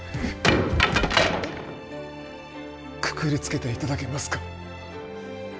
くくりつけて頂けますか？